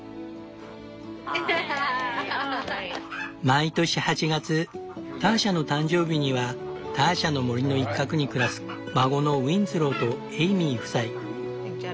毎年８月ターシャの誕生日にはターシャの森の一角に暮らす孫のウィンズローとエイミー夫妻。